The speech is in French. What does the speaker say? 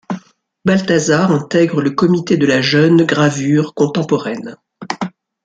Baltazar intègre le comité de la Jeune gravure contemporaine.